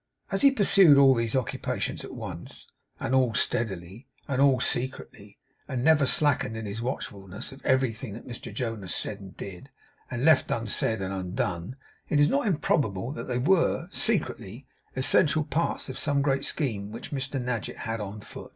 As he pursued all these occupations at once; and all steadily; and all secretly; and never slackened in his watchfulness of everything that Mr Jonas said and did, and left unsaid and undone; it is not improbable that they were, secretly, essential parts of some great scheme which Mr Nadgett had on foot.